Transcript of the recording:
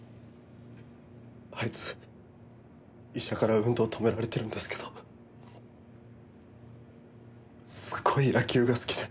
あいつ医者から運動止められてるんですけどすごい野球が好きで。